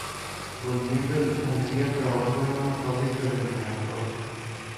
Volviendo al Hungría, trabajó en una fábrica de locomotoras.